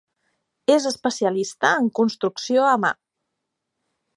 És especialista en construcció a mà.